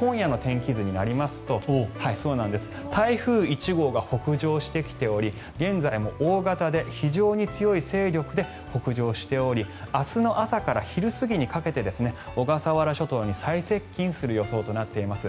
今夜の天気図になりますと台風１号が北上してきており現在も大型で非常に強い勢力で北上しており明日の朝から昼過ぎにかけて小笠原諸島に最接近する予想となっています。